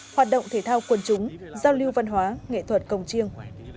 hoạt động thể thao quân chúng giao lưu văn hóa nghệ thuật công chiêng